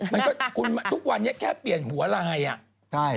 มันก็คุณทุกวันนี้แค่เปลี่ยนหัวลาย